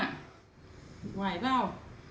หลุกไหวป่าว